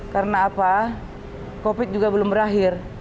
karena apa covid juga belum berakhir